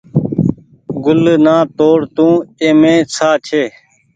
گل نآ توڙ تو اي مين ساه ڇي۔